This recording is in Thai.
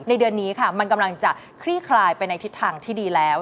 เดือนนี้ค่ะมันกำลังจะคลี่คลายไปในทิศทางที่ดีแล้ว